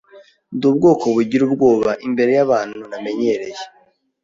Ndi ubwoko bugira ubwoba imbere yabantu ntamenyereye.